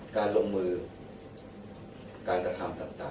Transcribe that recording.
การลงมือการกระทำต่าง